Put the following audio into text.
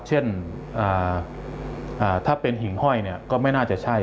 เช่นถ้าเป็นหิ่งห้อยก็ไม่น่าจะใช่